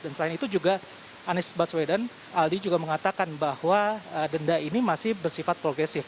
dan selain itu juga anies baswedan aldi juga mengatakan bahwa denda ini masih bersifat progresif